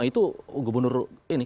itu gubernur ini